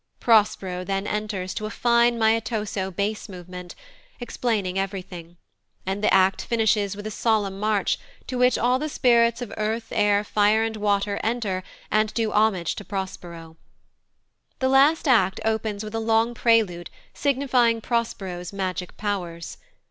Prospero then enters, to a fine maestoso bass movement, explaining everything; and the act finishes with a solemn march, to which all the spirits of Earth, Air, Fire, and Water enter and do homage to Prospero. The last act opens with a long prelude signifying Prospero's magic powers.